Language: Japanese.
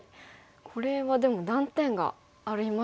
これはでも断点がありますね。